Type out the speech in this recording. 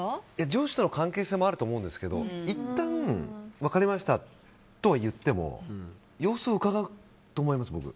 上司との関係性もあると思うんですけどいったん分かりましたとは言っても様子をうかがうと思います、僕。